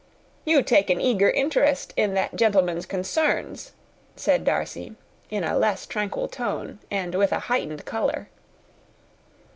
"You take an eager interest in that gentleman's concerns," said Darcy, in a less tranquil tone, and with a heightened colour.